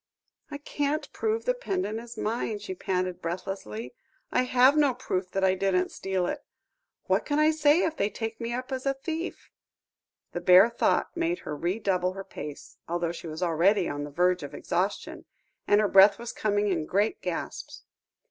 "I can't prove the pendant is mine," she panted breathlessly. "I have no proof that I didn't steal it. What can I say if they take me up as a thief?" The bare thought made her redouble her pace, although she was already on the verge of exhaustion, and her breath was coming in great gasps.